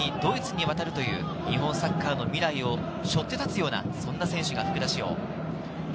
卒業と同時にドイツに渡るという、日本サッカーの未来を背負って立つような、そんな選手が福田師王。